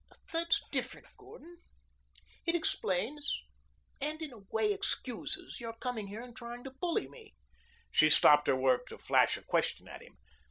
"That's different, Gordon. It explains and in a way excuses your coming here and trying to bully me." She stopped her work to flash a question at him.